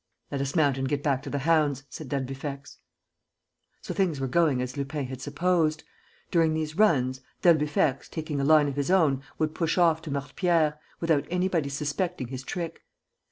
"Let us mount and get back to the hounds," said d'Albufex. So things were going as Lupin had supposed. During these runs, d'Albufex, taking a line of his own, would push off to Mortepierre, without anybody's suspecting his trick.